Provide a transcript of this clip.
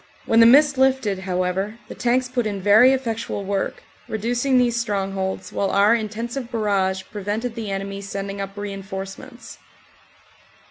When the mist lifted, however, the tanks put in very effectual work, reducing these strongholds, while our intensive barrage prevented the enemy sending up reinforcements.